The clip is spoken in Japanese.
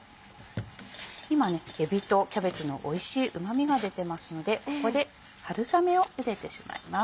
今えびとキャベツのおいしいうま味が出てますのでここで春雨を茹でてしまいます。